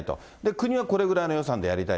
国はこれぐらいの予算でやりたい。